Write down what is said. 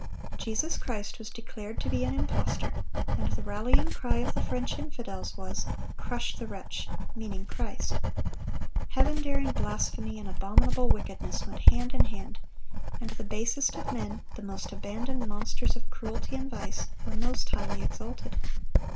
Jesus Christ was declared to be an impostor, and the rallying cry of the French infidels was, "Crush the Wretch," meaning Christ. Heaven daring blasphemy and abominable wickedness went hand in hand, and the basest of men, the most abandoned monsters of cruelty and vice, were most highly exalted.